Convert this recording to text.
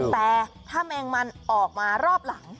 แต่ถ้าแมงมันออกมารอบหลัง